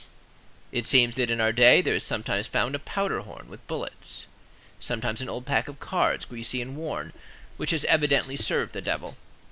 It seems that in our day there is sometimes found a powder horn with bullets, sometimes an old pack of cards greasy and worn, which has evidently served the devil.